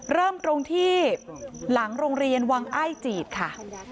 เริ่มตรงที่หลังโรงเรียนวังอ้ายจีดค่ะ